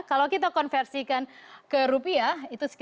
kalau kita konversikan ke rupiah